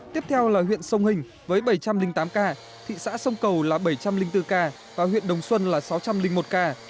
tiếp theo là huyện sông hình với bảy trăm linh tám ca thị xã sông cầu là bảy trăm linh bốn ca và huyện đồng xuân là sáu trăm linh một ca